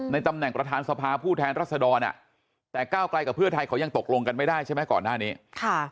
ตำแหน่งประธานสภาผู้แทนรัศดรอ่ะแต่ก้าวไกลกับเพื่อไทยเขายังตกลงกันไม่ได้ใช่ไหมก่อนหน้านี้ค่ะ